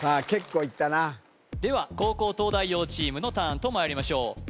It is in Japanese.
結構いったなでは後攻東大王チームのターンとまいりましょう